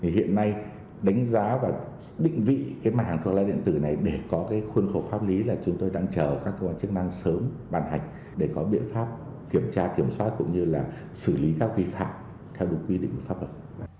hiện nay đánh giá và định vị cái mặt hàng thuốc lá điện tử này để có cái khuôn khổ pháp lý là chúng tôi đang chờ các khuôn khổ chức năng sớm bàn hạch để có biện pháp kiểm tra kiểm soát cũng như là xử lý các vi phạm theo được quy định của pháp luật